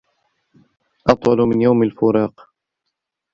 أطول من يوم الفراق